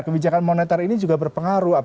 kebijakan moneter ini juga berpengaruh